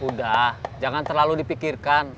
udah jangan terlalu dipikirkan